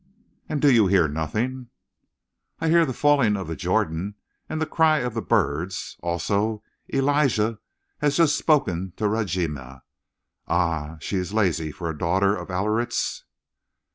"And do you hear nothing?" "I hear the falling of the Jordan and the cry of the birds. Also, Elijah has just spoken to Rajima. Ah, she is lazy for a daughter of Aliriz!"